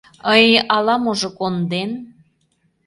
Ый, ала-можо конден!..